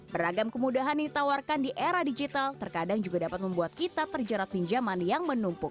beragam kemudahan ditawarkan di era digital terkadang juga dapat membuat kita terjerat pinjaman yang menumpuk